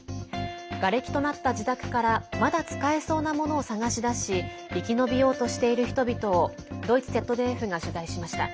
がれきとなった自宅からまだ使えそうなものを探し出し生き延びようとしている人々をドイツＺＤＦが取材しました。